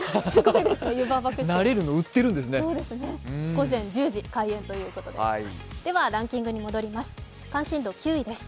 午前１０時開園ということです。